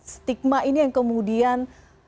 stigma ini yang kemudian